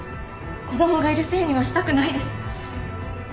子供がいるせいにはしたくないです。